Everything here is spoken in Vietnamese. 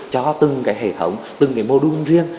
cho từng hệ thống từng mô đun riêng